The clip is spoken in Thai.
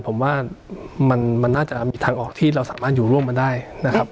ผมว่ามันน่าจะมีทางออกที่เราสามารถอยู่ร่วมกันได้นะครับ